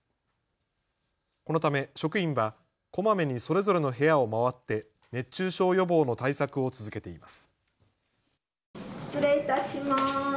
このため職員はこまめにそれぞれの部屋を回って熱中症予防の対策を続けています。